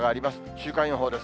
週間予報です。